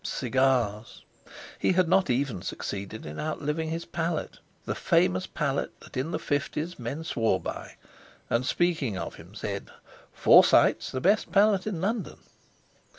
Cigars! He had not even succeeded in out living his palate—the famous palate that in the fifties men swore by, and speaking of him, said: "Forsyte's the best palate in London!"